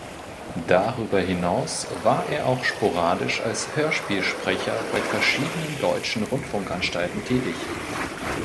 Darüber hinaus war er auch sporadisch als Hörspielsprecher bei verschiedenen deutschen Rundfunkanstalten tätig.